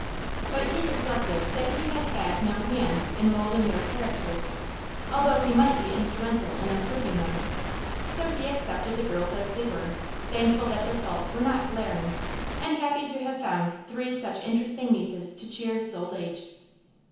But he reflected that he had had no hand in molding their characters, although he might be instrumental in improving them; so he accepted the girls as they were, thankful that their faults were not glaring, and happy to have found three such interesting nieces to cheer his old age.